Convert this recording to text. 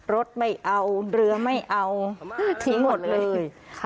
รถไม่เอาเรือไม่เอาทิ้งหมดเลย